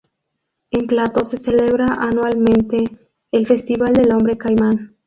En Plato se celebra anualmente el Festival del Hombre Caimán.